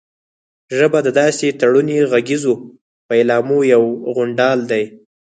ژبه د داسې تړوني غږیزو پيلامو یو غونډال دی